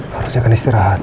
harusnya kan istirahat